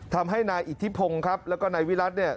ทำให้นายอิทธิพงศ์แล้วก็นายวิรัติ